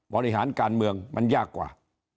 บริหารการเมืองมันยากกว่า